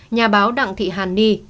nhà báo đặng thị hàn ni